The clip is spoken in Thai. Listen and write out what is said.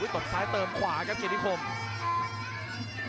ตบซ้ายเติมขวาครับเกียรติคม